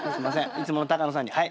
いつもの高野さんに。